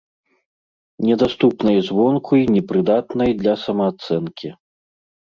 Недаступнай звонку й непрыдатнай для самаацэнкі.